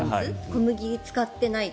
小麦を使っていない。